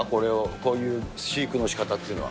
こういう飼育のしかたっていうのは。